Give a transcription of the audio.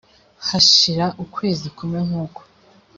hashira ukwezi kumwe nkuko